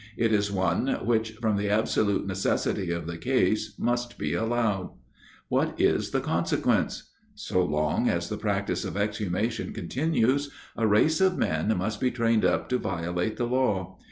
It is one, which, from the absolute necessity of the case, must be allowed. What is the consequence? So long as the practice of exhumation continues, a race of men must be trained up to violate the law.